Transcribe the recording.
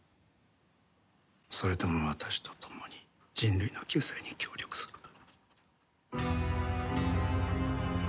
それとも私とともに人類の救済に協力するか？